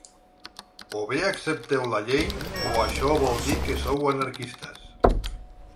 O bé accepteu la llei o això vol dir que sou anarquistes.